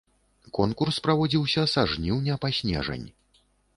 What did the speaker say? Конкурс праводзіўся са жніўня па снежань.